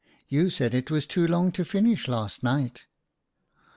You said it was too long to finish last night."